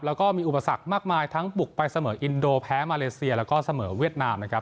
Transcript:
แล้วก็มีอุปสรรคมากมายทั้งบุกไปเสมออินโดแพ้มาเลเซียแล้วก็เสมอเวียดนามนะครับ